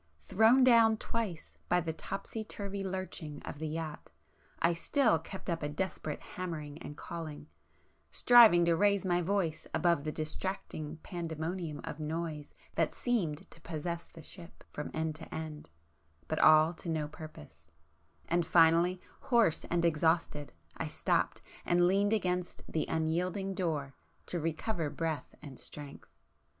Thrown down twice by the topsy turvey lurching of the yacht, I still kept up a desperate hammering and calling, striving to raise my voice above the distracting pandemonium of noise that seemed to possess the [p 458] ship from end to end, but all to no purpose,—and finally, hoarse and exhausted, I stopped and leaned against the unyielding door to recover breath and strength.